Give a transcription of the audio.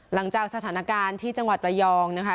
หลังจากสถานการณ์ที่จังหวัดระยองนะคะ